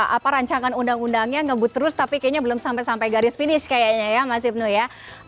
apa rancangan undang undangnya ngebut terus tapi kayaknya belum sampai sampai garis finish kayaknya ya mas ibnu ya